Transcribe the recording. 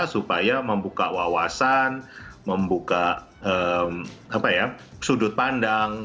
supaya membuka wawasan membuka sudut pandang